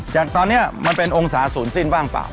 จากตอนนี้มันเป็นองศาศูนย์สิ้นบ้างเปล่า